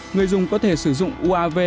người dùng có thể sử dụng uav